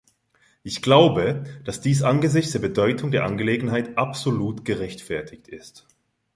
Ich glaube, dass dies angesichts der Bedeutung der Angelegenheit absolut gerechtfertigt ist.